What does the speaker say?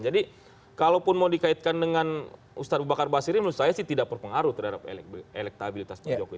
jadi kalau mau dikaitkan dengan ustadz abu bakar al basri menurut saya sih tidak berpengaruh terhadap elektabilitas